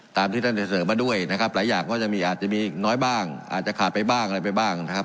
ตามที่ท่านจะเสริมมาด้วยนะครับหลายอย่างก็จะมีอาจจะมีอีกน้อยบ้างอาจจะขาดไปบ้างอะไรไปบ้างนะครับ